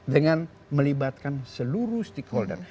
dengan melibatkan seluruh stakeholder